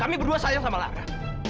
kami berdua sayang sama lara